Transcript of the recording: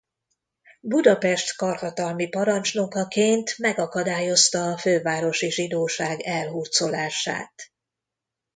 Budapest karhatalmi parancsnokaként megakadályozta a fővárosi zsidóság elhurcolását.